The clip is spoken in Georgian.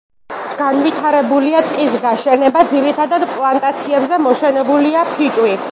განვითარებულია ტყის გაშენება, ძირითადად პლანტაციებზე მოშენებულია ფიჭვი.